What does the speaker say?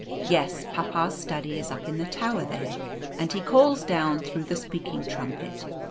"Yes; papa's study is up in the tower there, and he calls down through the speaking trumpet."